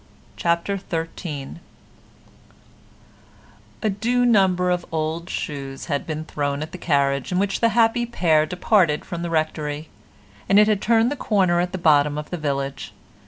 CHAPTER XIII A due number of old shoes had been thrown at the carriage in which the happy pair departed from the Rectory, and it had turned the corner at the bottom of the village.